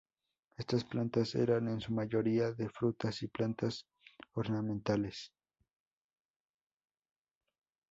Estas plantas eran en su mayoría de frutas y plantas ornamentales.